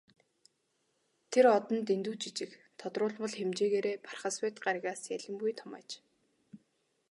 Тэр од нь дэндүү жижиг, тодруулбал хэмжээгээрээ Бархасбадь гаригаас ялимгүй том аж.